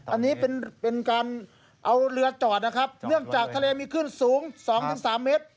อันนี้เป็นการเอาเรือจอดเพราะทะเลมีขึ้นสูง๒๓เมตร